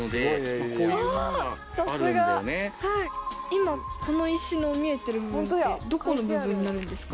今この石の見えてる部分ってどこの部分になるんですか？